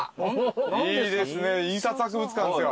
いいですね印刷博物館ですよ。